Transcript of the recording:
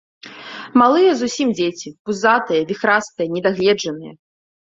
Малыя зусім дзеці, пузатыя, віхрастыя, недагледжаныя.